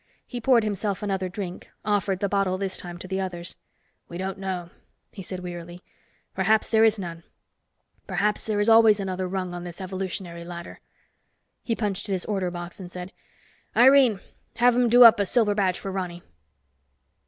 He poured himself another drink, offered the bottle this time to the others. "We don't know," he said wearily, "perhaps there is none. Perhaps there is always another rung on this evolutionary ladder." He punched at his order box and said, "Irene, have them do up a silver badge for Ronny."